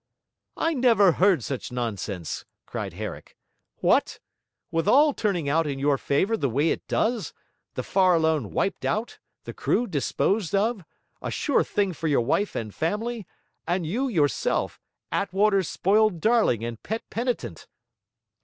'I never heard such nonsense!' cried Herrick. 'What! with all turning out in your favour the way it does, the Farallone wiped out, the crew disposed of, a sure thing for your wife and family, and you, yourself, Attwater's spoiled darling and pet penitent!'